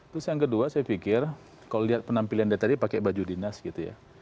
terus yang kedua saya pikir kalau lihat penampilan dia tadi pakai baju dinas gitu ya